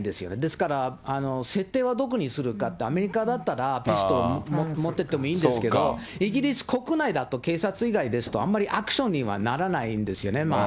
だから、設定はどこにするか、アメリカだったら、ピストル持っていってもいいんですけど、イギリスだと警察以外ですと、あんまりアクションにはならないんですよね。